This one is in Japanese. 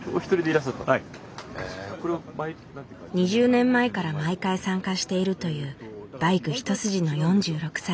２０年前から毎回参加しているというバイク一筋の４６歳。